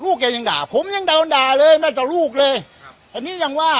แกยังด่าผมยังเดาด่าเลยมาต่อลูกเลยครับอันนี้ยังว่า